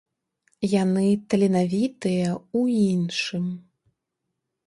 Яны таленавітыя ў іншым.